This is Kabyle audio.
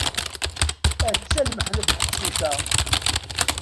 Atta lmeḥna deg uqcic-a!